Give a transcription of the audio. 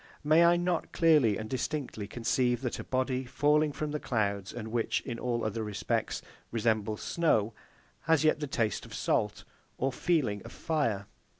May I not clearly and distinctly conceive that a body, falling from the clouds, and which, in all other respects, resembles snow, has yet the taste of salt or feeling of fire?